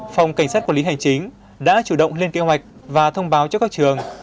phòng cảnh sát quản lý hành chính đã chủ động lên kế hoạch và thông báo cho các trường